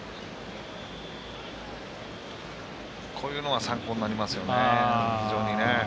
こういうのは参考になりますよね、非常に。